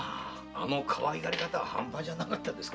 あのかわいがり方ははんぱじゃなかったですからね。